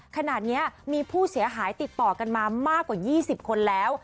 ขนาดนี้มีผู้เสียหายติดต่อกันมามากกว่า๒๐คนแล้ว